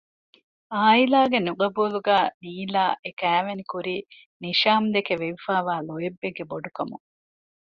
އާއިލާގެ ނުޤަބޫލުގައި ނީލާ އެ ކައިވެނި ކުރީ ނިޝާމްދެކެ ވެވިފައިވާ ލޯތްބެއްގެ ބޮޑުކަމުން